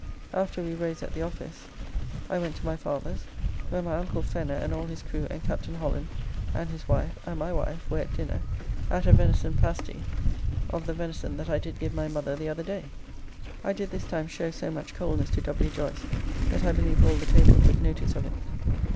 After we rose at the office, I went to my father's, where my Uncle Fenner and all his crew and Captain Holland and his wife and my wife were at dinner at a venison pasty of the venison that I did give my mother the other day. I did this time show so much coldness to W. Joyce that I believe all the table took notice of it.